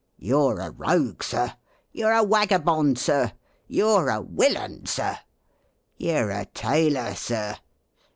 "You 're a rogue. Sir !" "You 're a wagabond, Sir!" "You 're a willain. Sir!" "You 're a tailor. Sir!"